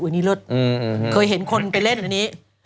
อันนี้เลิศเคยเห็นคนไปเล่นอันนี้